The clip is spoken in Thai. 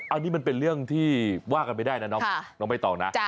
อันนี้มันเป็นเรื่องที่ว่ากันไม่ได้นะน้องใบตองนะ